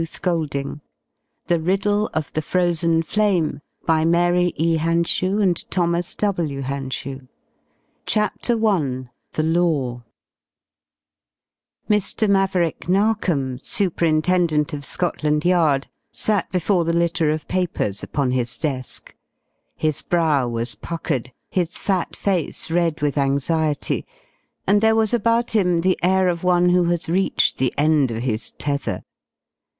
The Solving of the Riddle XXVIII. "Toward Morning ..." The Riddle of the Frozen Flame CHAPTER I THE LAW Mr. Maverick Narkom, Superintendent of Scotland Yard, sat before the litter of papers upon his desk. His brow was puckered, his fat face red with anxiety, and there was about him the air of one who has reached the end of his tether.